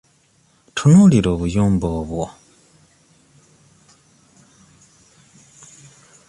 Tunuulira obuyumba obwo?